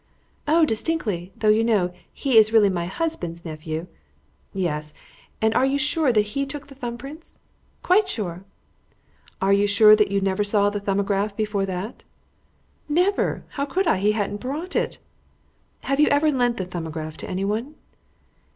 "Oh, distinctly; though, you know, he is really my husband's nephew " "Yes. And you are sure that he took the thumb prints?" "Quite sure." "And you are sure that you never saw the 'Thumbograph' before that?" "Never. How could I? He hadn't brought it." "Have you ever lent the 'Thumbograph' to anyone?"